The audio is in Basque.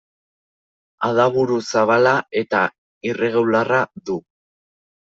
Adaburu zabala eta irregularra du.